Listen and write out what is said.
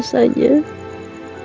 untuk memulai hidup baru